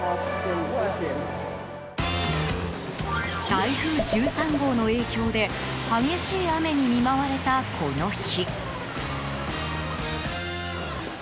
台風１３号の影響で激しい雨に見舞われたこの日。